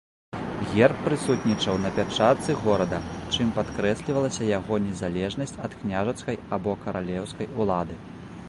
Герб прысутнічаў на пячатцы горада, чым падкрэслівалася яго незалежнасць ад княжацкай або каралеўскай улады.